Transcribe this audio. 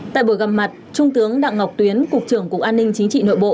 tại buổi gặp mặt trung tướng đặng ngọc tuyến cục trưởng cục an ninh chính trị nội bộ